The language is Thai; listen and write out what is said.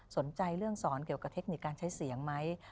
สนใจเรื่องสอนเกี่ยวกับเทคนิคการใช้เสียงไหม